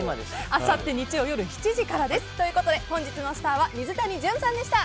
あさって日曜夜７時からです。ということで本日のスターは水谷隼さんでした。